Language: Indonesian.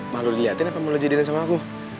malu dilihatin apa mau lo jadikan sama aku